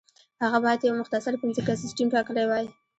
هغه باید یو مختصر پنځه کسیز ټیم ټاکلی وای.